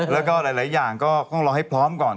แล้วก็หลายอย่างก็ต้องรอให้พร้อมก่อน